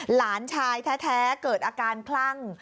หลานชายแท้เกิดอาการคลั่ง